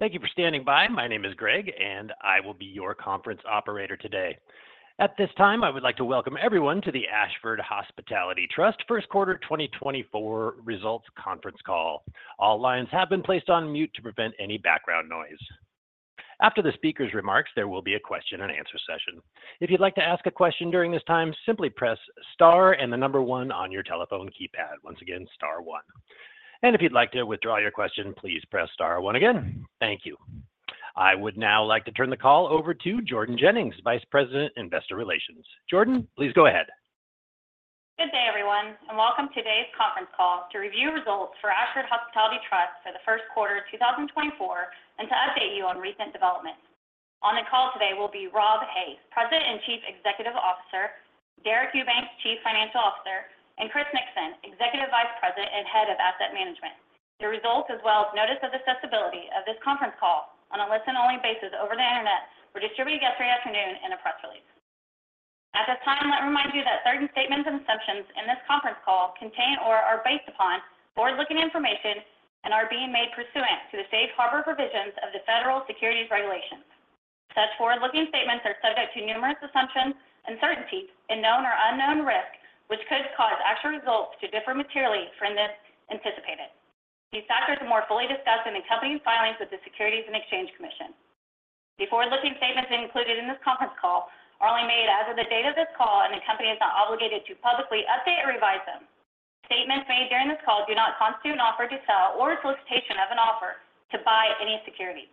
Thank you for standing by. My name is Greg, and I will be your conference operator today. At this time, I would like to welcome everyone to the Ashford Hospitality Trust first quarter 2024 results conference call. All lines have been placed on mute to prevent any background noise. After the speaker's remarks, there will be a question-and-answer session. If you'd like to ask a question during this time, simply press star and the number one on your telephone keypad. Once again, star one. If you'd like to withdraw your question, please press star one again. Thank you. I would now like to turn the call over to Jordan Jennings, Vice President Investor Relations. Jordan, please go ahead. Good day, everyone, and welcome to today's conference call to review results for Ashford Hospitality Trust for the first quarter of 2024 and to update you on recent developments. On the call today will be Rob Hays, President and Chief Executive Officer, Deric Eubanks, Chief Financial Officer, and Chris Nixon, Executive Vice President and Head of Asset Management. The results, as well as notice of accessibility, of this conference call on a listen-only basis over the Internet were distributed yesterday afternoon in a press release. At this time, let me remind you that certain statements and assumptions in this conference call contain or are based upon forward-looking information and are being made pursuant to the safe harbor provisions of the federal securities regulations. Such forward-looking statements are subject to numerous assumptions, uncertainties, and known or unknown risks which could cause actual results to differ materially from this anticipated. These factors are more fully discussed in accompanying filings with the Securities and Exchange Commission. The forward-looking statements included in this conference call are only made as of the date of this call, and the company is not obligated to publicly update or revise them. Statements made during this call do not constitute an offer to sell or a solicitation of an offer to buy any securities.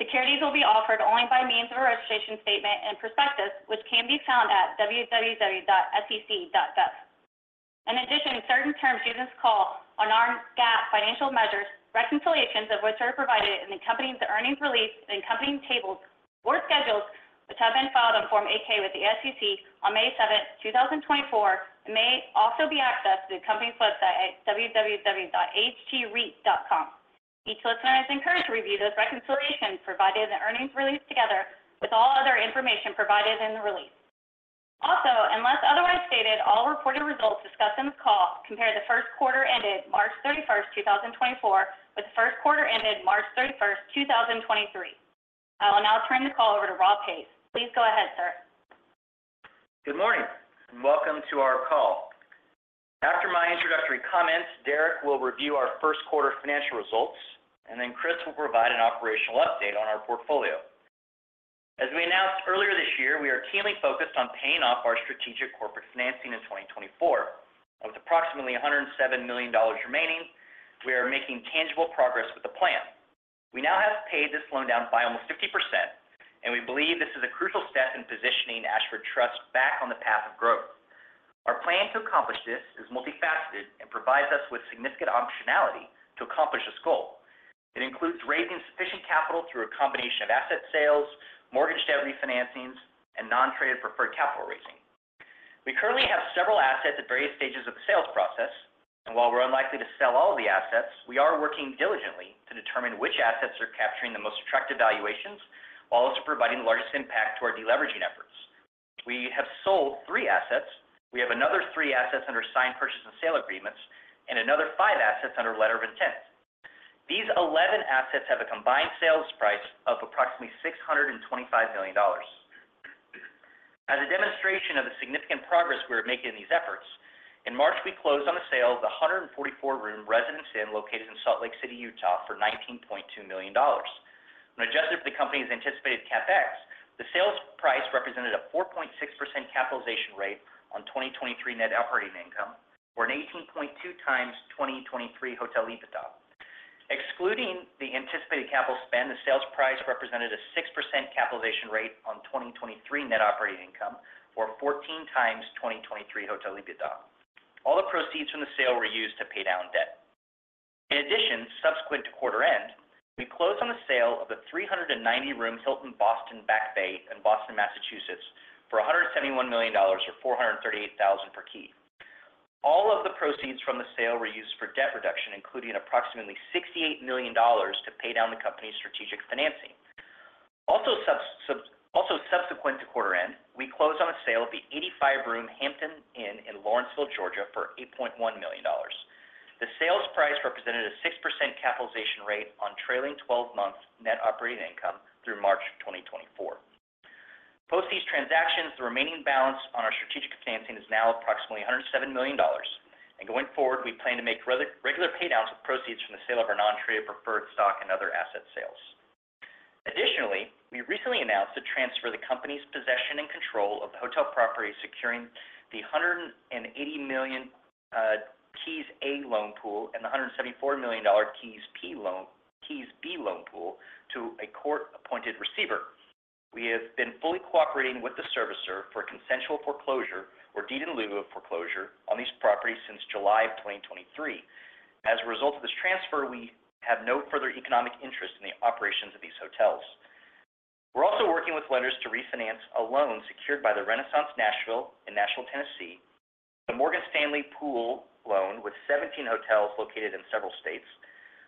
Securities will be offered only by means of a registration statement and prospectus, which can be found at www.sec.gov. In addition, certain terms used in this call are non-GAAP financial measures reconciliations of which are provided in the company's earnings release and company tables or schedules which have been filed on Form 8-K with the SEC on May 7th, 2024, and may also be accessed through the company's website at www.ahtreit.com. Each listener is encouraged to review those reconciliations provided in the earnings release together with all other information provided in the release. Also, unless otherwise stated, all reported results discussed in this call compare the first quarter ended March 31st, 2024, with the first quarter ended March 31st, 2023. I will now turn the call over to Rob Hays. Please go ahead, sir. Good morning and welcome to our call. After my introductory comments, Deric will review our first quarter financial results, and then Chris will provide an operational update on our portfolio. As we announced earlier this year, we are keenly focused on paying off our strategic corporate financing in 2024. With approximately $107 million remaining, we are making tangible progress with the plan. We now have paid this loan down by almost 50%, and we believe this is a crucial step in positioning Ashford Trust back on the path of growth. Our plan to accomplish this is multifaceted and provides us with significant optionality to accomplish this goal. It includes raising sufficient capital through a combination of asset sales, mortgage debt refinancings, and non-traded preferred capital raising. We currently have several assets at various stages of the sales process, and while we're unlikely to sell all of the assets, we are working diligently to determine which assets are capturing the most attractive valuations while also providing the largest impact to our deleveraging efforts. We have sold three assets. We have another 3 assets under signed purchase and sale agreements, and another 5 assets under letter of intent. These 11 assets have a combined sales price of approximately $625 million. As a demonstration of the significant progress we are making in these efforts, in March we closed on the sale of the 144-room Residence Inn located in Salt Lake City, Utah for $19.2 million. When adjusted for the company's anticipated CapEx, the sales price represented a 4.6% capitalization rate on 2023 net operating income or an 18.2x 2023 hotel EBITDA. Excluding the anticipated capital spend, the sales price represented a 6% capitalization rate on 2023 net operating income or 14x 2023 hotel EBITDA. All the proceeds from the sale were used to pay down debt. In addition, subsequent to quarter end, we closed on the sale of the 390-room Hilton Boston Back Bay in Boston, Massachusetts, for $171 million or $438,000 per key. All of the proceeds from the sale were used for debt reduction, including approximately $68 million to pay down the company's strategic financing. Also subsequent to quarter end, we closed on the sale of the 85-room Hampton Inn in Lawrenceville, Georgia, for $8.1 million. The sales price represented a 6% capitalization rate on trailing 12-month net operating income through March 2024. Post these transactions, the remaining balance on our strategic financing is now approximately $107 million, and going forward, we plan to make regular paydowns with proceeds from the sale of our non-traded preferred stock and other asset sales. Additionally, we recently announced to transfer the company's possession and control of the hotel property, securing the $180 million KEYS A loan pool and the $174 million KEYS B loan pool to a court-appointed receiver. We have been fully cooperating with the servicer for consensual foreclosure or deed-in-lieu of foreclosure on these properties since July of 2023. As a result of this transfer, we have no further economic interest in the operations of these hotels. We're also working with lenders to refinance a loan secured by the Renaissance Nashville in Nashville, Tennessee, the Morgan Stanley pool loan with 17 hotels located in several states,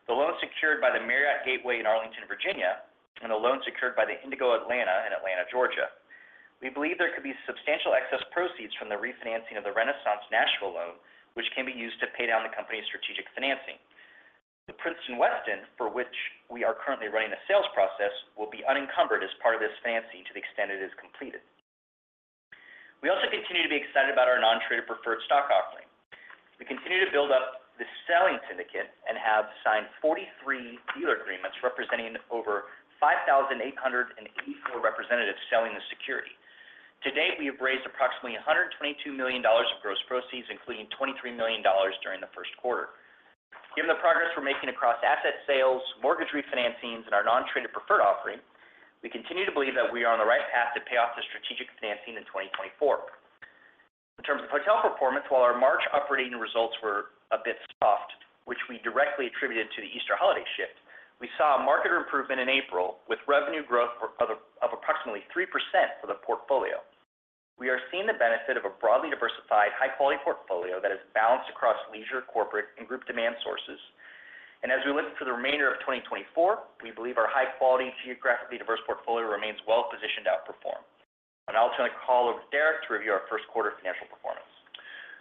the loan secured by the Marriott Gateway in Arlington, Virginia, and the loan secured by the Indigo Atlanta in Atlanta, Georgia. We believe there could be substantial excess proceeds from the refinancing of the Renaissance Nashville loan, which can be used to pay down the company's strategic financing. The Princeton Westin, for which we are currently running the sales process, will be unencumbered as part of this financing to the extent it is completed. We also continue to be excited about our non-traded preferred stock offering. We continue to build up the selling syndicate and have signed 43 dealer agreements representing over 5,884 representatives selling the security. To date, we have raised approximately $122 million of gross proceeds, including $23 million during the first quarter. Given the progress we're making across asset sales, mortgage refinancings, and our non-traded preferred offering, we continue to believe that we are on the right path to pay off the strategic financing in 2024. In terms of hotel performance, while our March operating results were a bit soft, which we directly attributed to the Easter holiday shift, we saw a marked improvement in April with revenue growth of approximately 3% for the portfolio. We are seeing the benefit of a broadly diversified, high-quality portfolio that is balanced across leisure, corporate, and group demand sources. As we look to the remainder of 2024, we believe our high-quality, geographically diverse portfolio remains well-positioned to outperform. I'll now turn the call over to Deric to review our first quarter financial performance.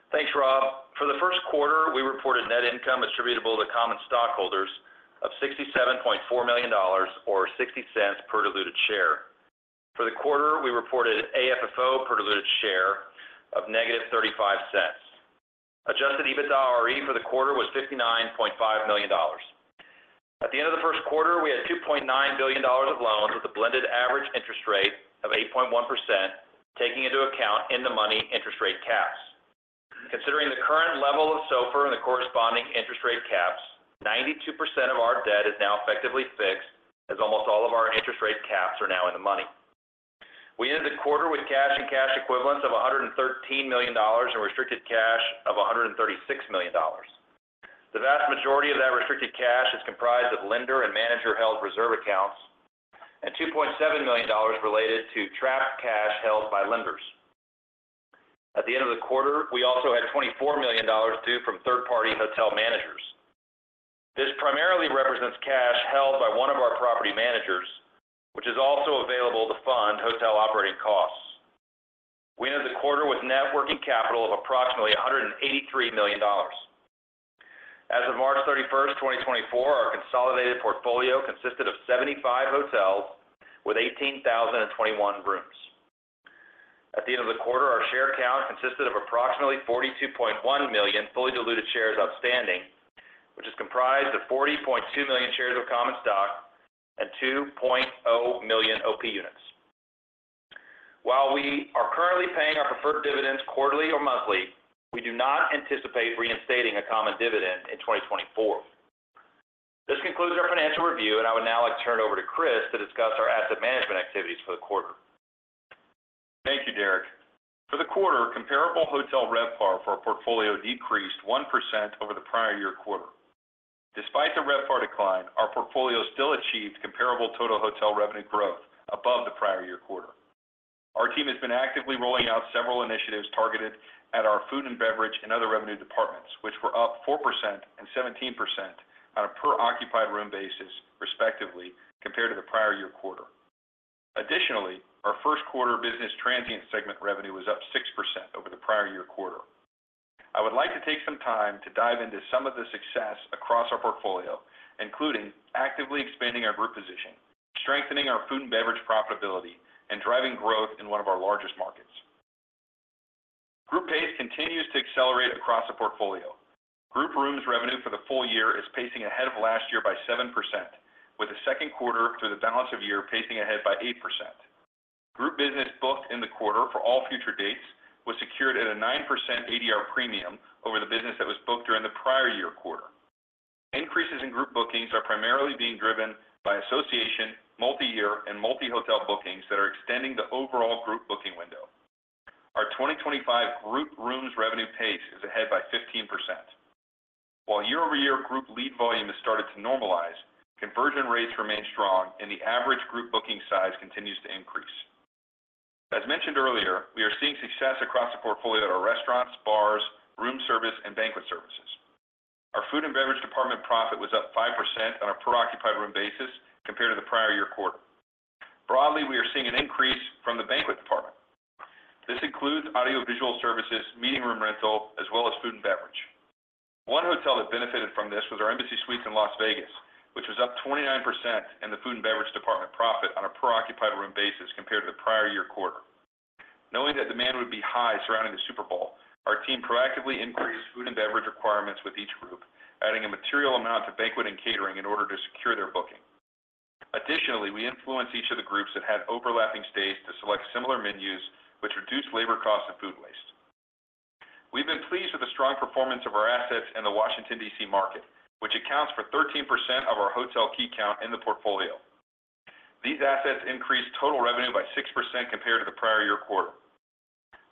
Thanks, Rob. For the first quarter, we reported net income attributable to common stockholders of $67.4 million or $0.60 per diluted share. For the quarter, we reported AFFO per diluted share of negative $0.35. Adjusted EBITDAre for the quarter was $59.5 million. At the end of the first quarter, we had $2.9 billion of loans with a blended average interest rate of 8.1%, taking into account in-the-money interest rate caps. Considering the current level of SOFR and the corresponding interest rate caps, 92% of our debt is now effectively fixed, as almost all of our interest rate caps are now in the money. We ended the quarter with cash and cash equivalents of $113 million and restricted cash of $136 million. The vast majority of that restricted cash is comprised of lender and manager-held reserve accounts, and $2.7 million related to trapped cash held by lenders. At the end of the quarter, we also had $24 million due from third-party hotel managers. This primarily represents cash held by one of our property managers, which is also available to fund hotel operating costs. We ended the quarter with net working capital of approximately $183 million. As of March 31, 2024, our consolidated portfolio consisted of 75 hotels with 18,021 rooms. At the end of the quarter, our share count consisted of approximately 42.1 million fully diluted shares outstanding, which is comprised of 40.2 million shares of common stock and 2.0 million OP units. While we are currently paying our preferred dividends quarterly or monthly, we do not anticipate reinstating a common dividend in 2024. This concludes our financial review, and I would now like to turn it over to Chris to discuss our asset management activities for the quarter. Thank you, Deric. For the quarter, comparable hotel RevPAR for our portfolio decreased 1% over the prior year quarter. Despite the RevPAR decline, our portfolio still achieved comparable total hotel revenue growth above the prior year quarter. Our team has been actively rolling out several initiatives targeted at our food and beverage and other revenue departments, which were up 4% and 17% on a per-occupied room basis, respectively, compared to the prior year quarter. Additionally, our first quarter business transient segment revenue was up 6% over the prior year quarter. I would like to take some time to dive into some of the success across our portfolio, including actively expanding our group position, strengthening our food and beverage profitability, and driving growth in one of our largest markets. Group pace continues to accelerate across the portfolio. Group rooms revenue for the full year is pacing ahead of last year by 7%, with the second quarter through the balance of year pacing ahead by 8%. Group business booked in the quarter for all future dates was secured at a 9% ADR premium over the business that was booked during the prior year quarter. Increases in group bookings are primarily being driven by association, multi-year, and multi-hotel bookings that are extending the overall group booking window. Our 2025 group rooms revenue pace is ahead by 15%. While year-over-year group lead volume has started to normalize, conversion rates remain strong, and the average group booking size continues to increase. As mentioned earlier, we are seeing success across the portfolio at our restaurants, bars, room service, and banquet services. Our food and beverage department profit was up 5% on a per-occupied room basis compared to the prior year quarter. Broadly, we are seeing an increase from the banquet department. This includes audiovisual services, meeting room rental, as well as food and beverage. One hotel that benefited from this was our Embassy Suites in Las Vegas, which was up 29% in the food and beverage department profit on a per-occupied room basis compared to the prior year quarter. Knowing that demand would be high surrounding the Super Bowl, our team proactively increased food and beverage requirements with each group, adding a material amount to banquet and catering in order to secure their booking. Additionally, we influenced each of the groups that had overlapping stays to select similar menus, which reduced labor costs and food waste. We've been pleased with the strong performance of our assets in the Washington, D.C. market, which accounts for 13% of our hotel key count in the portfolio. These assets increased total revenue by 6% compared to the prior year quarter.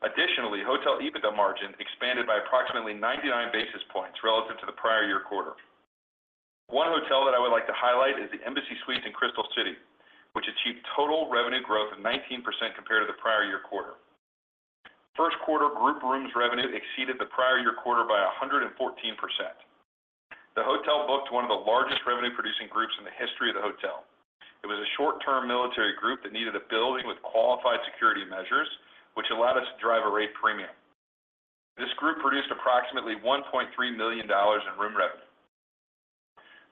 Additionally, hotel EBITDA margin expanded by approximately 99 basis points relative to the prior year quarter. One hotel that I would like to highlight is the Embassy Suites in Crystal City, which achieved total revenue growth of 19% compared to the prior year quarter. First quarter group rooms revenue exceeded the prior year quarter by 114%. The hotel booked one of the largest revenue-producing groups in the history of the hotel. It was a short-term military group that needed a building with qualified security measures, which allowed us to drive a rate premium. This group produced approximately $1.3 million in room revenue.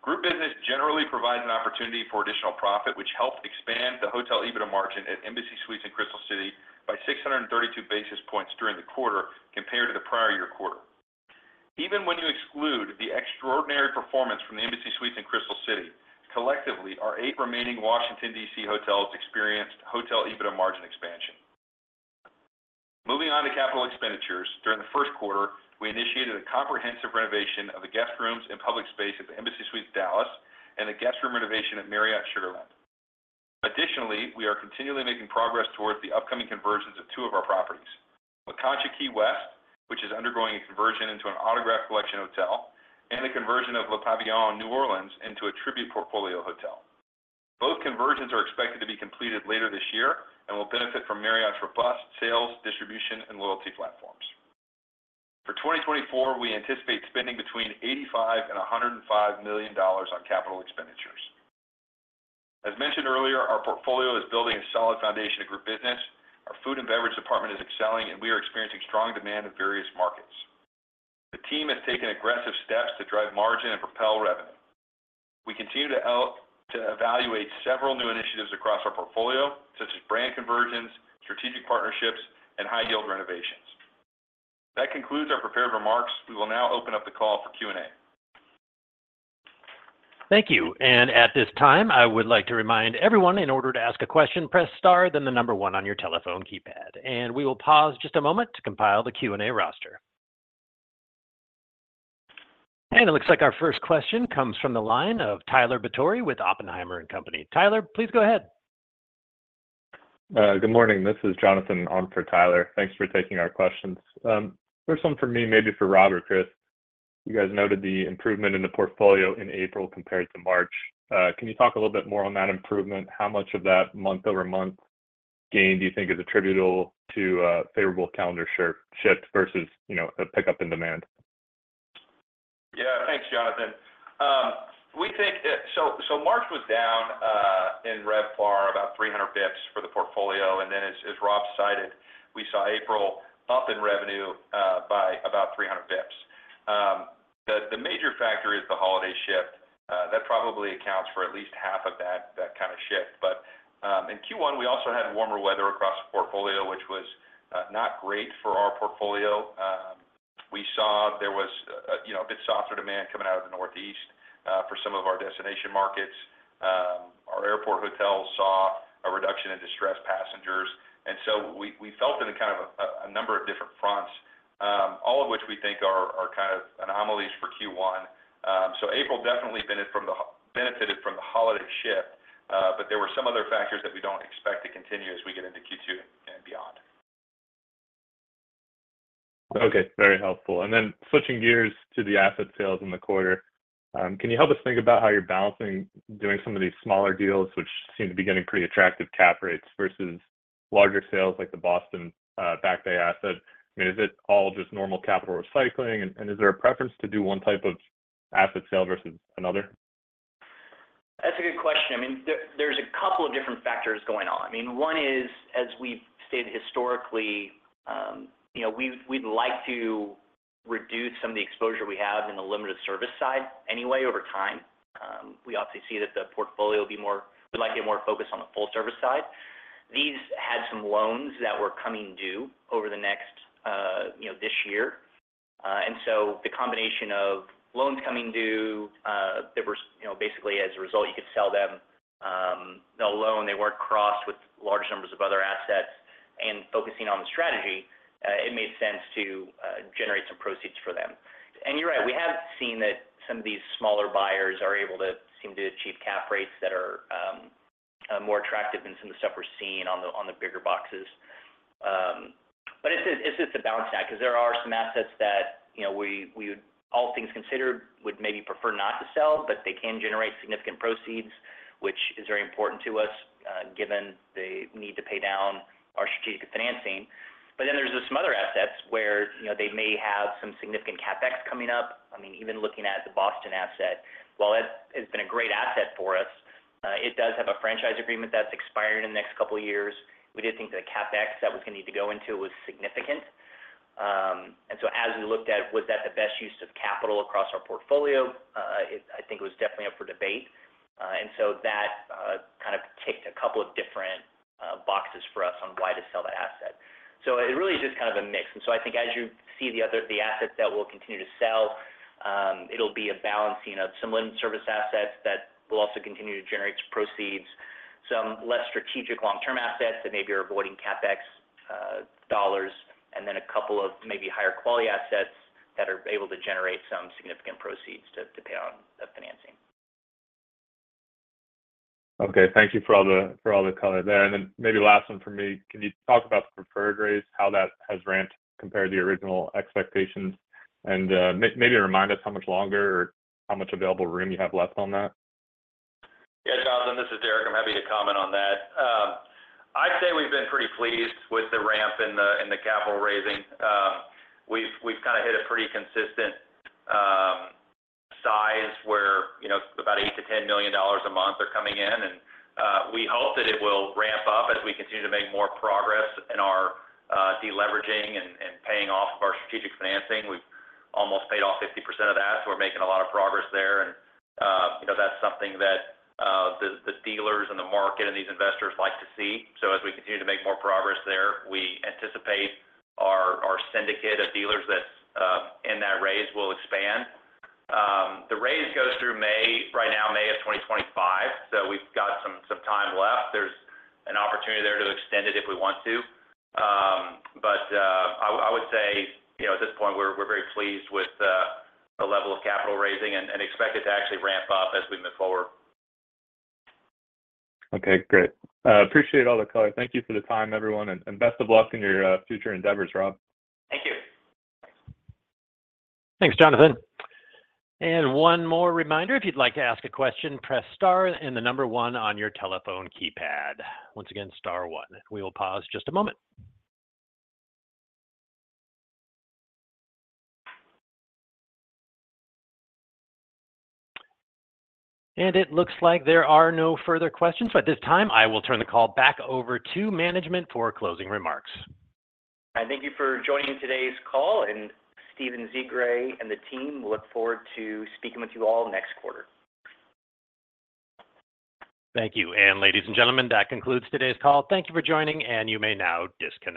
Group business generally provides an opportunity for additional profit, which helped expand the hotel EBITDA margin at Embassy Suites in Crystal City by 632 basis points during the quarter compared to the prior year quarter. Even when you exclude the extraordinary performance from the Embassy Suites in Crystal City, collectively, our eight remaining Washington, D.C. hotels experienced hotel EBITDA margin expansion. Moving on to capital expenditures, during the first quarter, we initiated a comprehensive renovation of the guest rooms and public space at the Embassy Suites Dallas and the guest room renovation at Marriott Sugar Land. Additionally, we are continually making progress towards the upcoming conversions of two of our properties: La Concha Key West, which is undergoing a conversion into an Autograph Collection hotel, and the conversion of Le Pavillon New Orleans into a Tribute Portfolio hotel. Both conversions are expected to be completed later this year and will benefit from Marriott's robust sales, distribution, and loyalty platforms. For 2024, we anticipate spending between $85-$105 million on capital expenditures. As mentioned earlier, our portfolio is building a solid foundation of group business. Our food and beverage department is excelling, and we are experiencing strong demand in various markets. The team has taken aggressive steps to drive margin and propel revenue. We continue to evaluate several new initiatives across our portfolio, such as brand conversions, strategic partnerships, and high-yield renovations. That concludes our prepared remarks. We will now open up the call for Q&A. Thank you. At this time, I would like to remind everyone, in order to ask a question, press star then the number one on your telephone keypad. We will pause just a moment to compile the Q&A roster. It looks like our first question comes from the line of Tyler Batory with Oppenheimer & Company. Tyler, please go ahead. Good morning. This is Jonathan on for Tyler. Thanks for taking our questions. First one from me, maybe for Rob or Chris. You guys noted the improvement in the portfolio in April compared to March. Can you talk a little bit more on that improvement? How much of that month-over-month gain do you think is attributable to a favorable calendar shift versus a pickup in demand? Yeah. Thanks, Jonathan. So March was down in RevPAR about 300 basis points for the portfolio. And then, as Rob cited, we saw April up in revenue by about 300 basis points. The major factor is the holiday shift. That probably accounts for at least half of that kind of shift. But in Q1, we also had warmer weather across the portfolio, which was not great for our portfolio. We saw there was a bit softer demand coming out of the Northeast for some of our destination markets. Our airport hotels saw a reduction in distressed passengers. And so we felt it in kind of a number of different fronts, all of which we think are kind of anomalies for Q1. So April definitely benefited from the holiday shift, but there were some other factors that we don't expect to continue as we get into Q2 and beyond. Okay. Very helpful. And then switching gears to the asset sales in the quarter, can you help us think about how you're balancing doing some of these smaller deals, which seem to be getting pretty attractive cap rates, versus larger sales like the Boston Back Bay asset? I mean, is it all just normal capital recycling? And is there a preference to do one type of asset sale versus another? That's a good question. I mean, there's a couple of different factors going on. I mean, one is, as we've stated historically, we'd like to reduce some of the exposure we have in the limited service side anyway over time. We obviously see that the portfolio would like to get more focus on the full-service side. These had some loans that were coming due over this year. And so the combination of loans coming due that were basically, as a result, you could sell them the loan, they weren't crossed with large numbers of other assets, and focusing on the strategy, it made sense to generate some proceeds for them. And you're right. We have seen that some of these smaller buyers are able to seem to achieve cap rates that are more attractive than some of the stuff we're seeing on the bigger boxes. But it's just a balanced act because there are some assets that, all things considered, would maybe prefer not to sell, but they can generate significant proceeds, which is very important to us given the need to pay down our strategic financing. But then there's some other assets where they may have some significant CapEx coming up. I mean, even looking at the Boston asset, while that has been a great asset for us, it does have a franchise agreement that's expiring in the next couple of years. We did think that the CapEx that was going to need to go into was significant. And so as we looked at, was that the best use of capital across our portfolio? I think it was definitely up for debate. And so that kind of ticked a couple of different boxes for us on why to sell that asset. It really is just kind of a mix. So I think as you see the assets that will continue to sell, it'll be a balancing of some limited service assets that will also continue to generate proceeds, some less strategic long-term assets that maybe are avoiding CapEx dollars, and then a couple of maybe higher-quality assets that are able to generate some significant proceeds to pay on the financing. Okay. Thank you for all the color there. And then maybe last one from me. Can you talk about the preferred rates, how that has ramped compared to the original expectations, and maybe remind us how much longer or how much available room you have left on that? Yeah. Jonathan, this is Deric. I'm happy to comment on that. I'd say we've been pretty pleased with the ramp in the capital raising. We've kind of hit a pretty consistent size where about $8 million-$10 million a month are coming in. And we hope that it will ramp up as we continue to make more progress in our deleveraging and paying off of our strategic financing. We've almost paid off 50% of that, so we're making a lot of progress there. And that's something that the dealers and the market and these investors like to see. So as we continue to make more progress there, we anticipate our syndicate of dealers that's in that raise will expand. The raise goes through right now, May of 2025, so we've got some time left. There's an opportunity there to extend it if we want to. But I would say, at this point, we're very pleased with the level of capital raising and expect it to actually ramp up as we move forward. Okay. Great. Appreciate all the color. Thank you for the time, everyone. Best of luck in your future endeavors, Rob. Thank you. Thanks, Jonathan. And one more reminder. If you'd like to ask a question, press star and the number one on your telephone keypad. Once again, star one. We will pause just a moment. And it looks like there are no further questions. So at this time, I will turn the call back over to management for closing remarks. All right. Thank you for joining today's call. Stephen Zsigray and the team look forward to speaking with you all next quarter. Thank you. Ladies and gentlemen, that concludes today's call. Thank you for joining, and you may now disconnect.